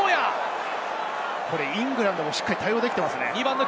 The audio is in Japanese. イングランドもしっかり対応できていますね。